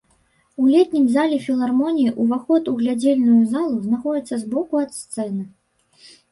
У летнім зале філармоніі ўваход у глядзельную залу знаходзіцца збоку ад сцэны.